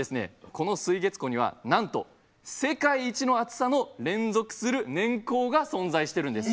この水月湖にはなんと世界一の厚さの連続する年縞が存在してるんです。